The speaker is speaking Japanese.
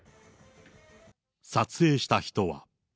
撮影した人は。